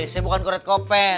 saya bukan koret kopet